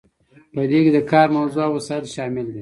په دې کې د کار موضوع او وسایل شامل دي.